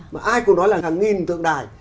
mà ai cũng nói là hàng nghìn tượng đài